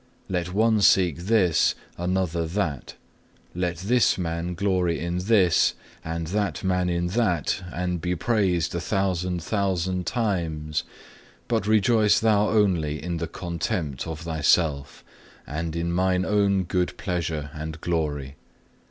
Let one seek this, another that; let this man glory in this, and that man in that, and be praised a thousand thousand times, but rejoice thou only in the contempt of thyself, and in Mine own good pleasure and glory.